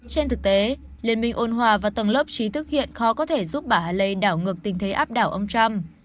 trên thực tế liên minh ôn hòa và tầng lớp trí thức hiện khó có thể giúp bà hàle đảo ngược tình thế áp đảo ông trump